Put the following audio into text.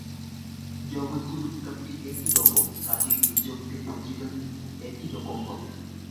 জগৎগুলো মোটামুটি একই রকম, কাজেই দু জগতের পত্রিকাগুলোও একই রকম হবে।